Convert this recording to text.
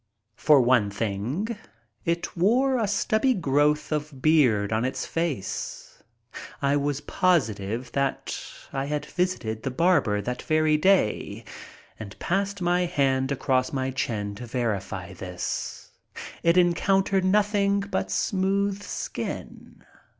For one thing it wore a stubby growth of beard on its face. I was positive that I had visited the barber that very day and passed my hand across my chin to verify this. It encountered nothing but smooth skin.